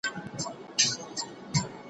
زه به سبا د سبا لپاره د يادښتونه ترتيب کوم؟!